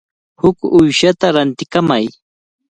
Huk uyshata rantikamay.